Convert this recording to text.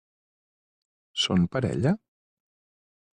Són parella?